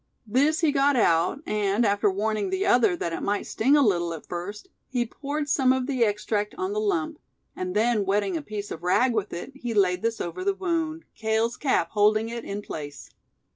This he got out, and after warning the other that it might sting a little at first, he poured some of the extract on the lump; and then wetting a piece of rag with it, he laid this over the wound, Cale's cap holding it in place.